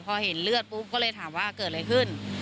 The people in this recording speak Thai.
พอเห็นเลือดปุ๊บก็เลยถามว่าเกิดอะไรขึ้น